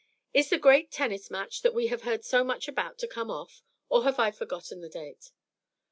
"Is the great tennis match that we have heard so much about to come off, or have I forgotten the date?"